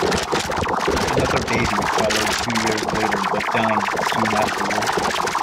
Another baby followed two years later but died soon afterward.